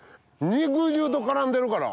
肉汁と絡んでるから。